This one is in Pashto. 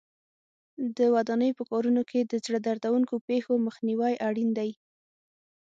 د ودانۍ په کارونو کې د زړه دردوونکو پېښو مخنیوی اړین دی.